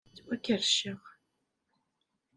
Ttwakerrceɣ.